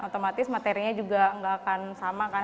otomatis materinya juga nggak akan sama kan